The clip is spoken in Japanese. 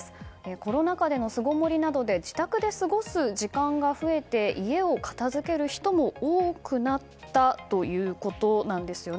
コロナ禍での巣ごもりなどで自宅で過ごす時間が増えて家を片付ける人も多くなったということなんですよね。